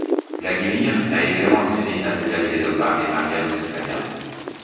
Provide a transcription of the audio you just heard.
Vladimir a également entraîné Natalia Lebedeva et Maria Butyrskaya.